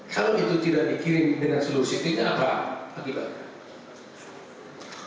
kalau itu tidak dikirim dengan seluruh sistemnya apa akibatnya